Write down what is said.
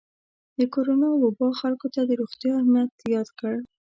د کرونا وبا خلکو ته د روغتیا اهمیت یاد کړ.